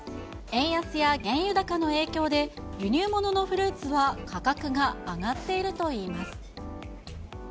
円安や原油高の影響で、輸入物のフルーツは価格が上がっているといいます。